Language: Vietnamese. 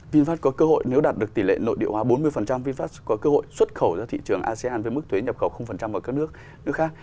vinfast có cơ hội nếu đạt được tỷ lệ nội địa hóa bốn mươi vinfast có cơ hội xuất khẩu ra thị trường asean với mức thuế nhập khẩu vào các nước khác